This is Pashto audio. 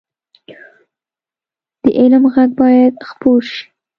د علم غږ باید خپور شي